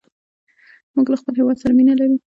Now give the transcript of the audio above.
موږ له خپل هېواد سره مینه لرو.